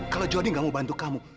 kalau jody gak mau bantu kamu